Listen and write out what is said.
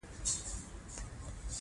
افغانستان په اقلیم غني دی.